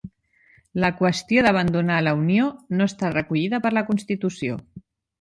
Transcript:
La qüestió d'abandonar la Unió no està recollida per la Constitució.